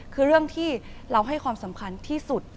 คือเรื่องที่เราให้ความสำคัญที่สุด